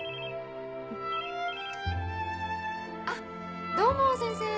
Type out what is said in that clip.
あっどうも先生。